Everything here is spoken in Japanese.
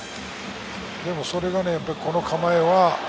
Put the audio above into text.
でもそれが、この構えは。